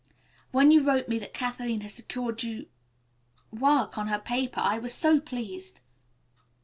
"When you wrote me that Kathleen had secured work for you on her paper I was so pleased."